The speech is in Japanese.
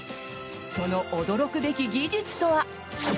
その驚くべき技術とは？